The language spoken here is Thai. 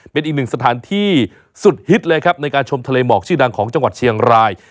เป็นอีกหนึ่งสถานที่สุดฮิตเลยครับในการชมทะเลหมอกชื่อดังของจังหวัดเชียงราย